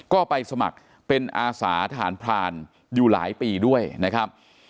ก็ไปสมัครเป็นอาสาทหารพรานอยู่หลายปีด้วยนะครับ